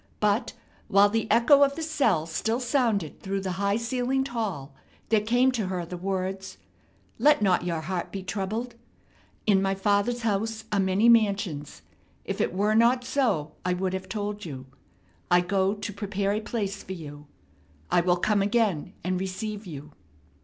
But while the echo of the cell still sounded through the high ceiled hall there came to her the words: "Let not your heart be troubled.... In my Father's house are many mansions; if it were not so, I would have told you. I go to prepare a place for you.... I will come again and receive you."